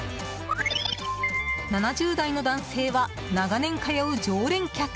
７０代の男性は長年通う常連客。